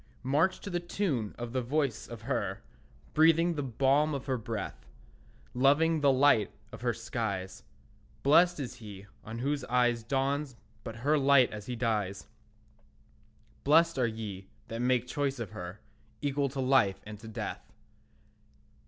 March to the tune of the voice of her, Breathing the balm of her breath, Loving the light of her skies. Blessed is he on whose eyes Dawns but her light as he dies; Blessed are ye that make choice of her, Equal to life and to death.